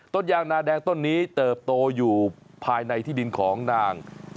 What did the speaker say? ต้นยางนาแดงต้นนี้เติบโตอยู่ภายในที่ดินของนาง